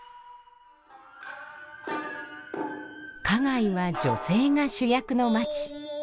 花街は女性が主役の街。